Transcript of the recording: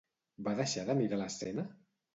Va deixar de mirar l'escena?